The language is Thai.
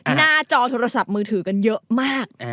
หน้าจอโทรศัพท์มือถือกันเยอะมาก